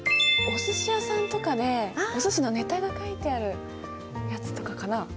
おすし屋さんとかでおすしのねたが書いてあるやつとかかな？